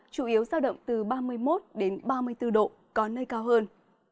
chủ yếu giao động từ ba mươi một ba mươi bốn độ có nơi cao hơn